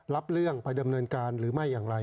รับเรื่องไปดำเนินการหรือไม่อย่างไร